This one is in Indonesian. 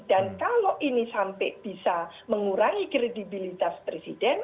dan kalau ini sampai bisa mengurangi kredibilitas presiden